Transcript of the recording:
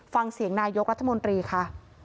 ฟังเสียงนายกรัฐมนตรีค่ะ